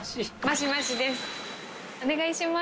お願いします。